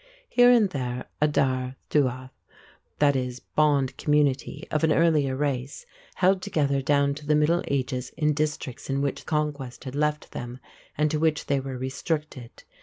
Here and there a daer tuath = "bond community", of an earlier race held together down to the Middle Ages in districts in which conquest had left them and to which they were restricted.